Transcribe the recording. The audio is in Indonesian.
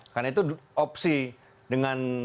karena itu opsi dengan